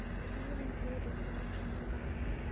The deal included an option to buy.